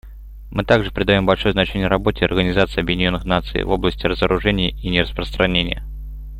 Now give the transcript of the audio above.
Мы также придаем большое значение работе Организации Объединенных Наций в области разоружения и нераспространения.